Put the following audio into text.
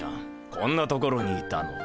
こんな所にいたのか。